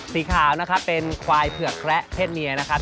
สีขาวนะครับเป็นควายเผือกแคระเพศเมียนะครับ